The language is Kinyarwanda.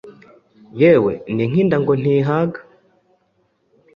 Yewe, ni nk’inda ngo ntihaga!